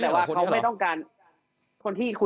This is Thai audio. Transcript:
เขาไม่อยากจะออกมาให้สังคมรับรู้ในเรื่องนี้นะครับ